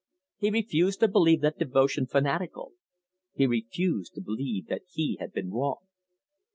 He refused to believe that devotion fanatical; he refused to believe that he had been wrong.